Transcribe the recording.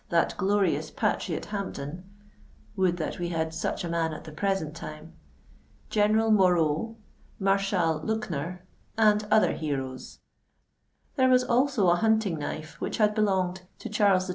that glorious patriot Hampden (would that we had such a man at the present time!), General Moreau, Marshal Luckner, and other heroes. There was also a hunting knife which had belonged to Charles XII.